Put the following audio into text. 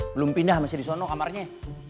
belum pindah masih disono kamarnya